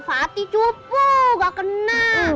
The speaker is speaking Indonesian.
fatih cupu gak kena